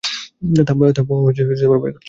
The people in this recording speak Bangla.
থাম, বের করছি।